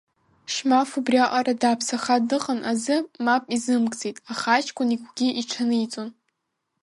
Шьмаф убри аҟара дааԥсаха дыҟан азы мап изымкӡеит, аха аҷкәын игәгьы иҽаниҵон.